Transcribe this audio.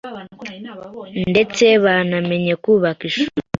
ndetse banemeye kubaka ishuri